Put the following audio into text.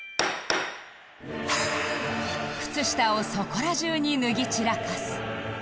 靴下をそこら中に脱ぎ散らかす